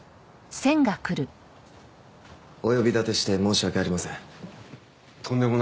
お呼び立てして申し訳ありません。